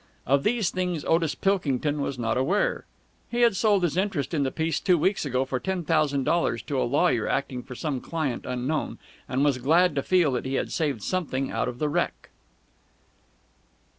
Of these things Otis Pilkington was not aware. He had sold his interest in the piece two weeks ago for ten thousand dollars to a lawyer acting for some client unknown, and was glad to feel that he had saved something out of the wreck.